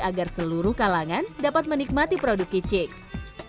agar seluruh kalangan dapat menikmati produk kicix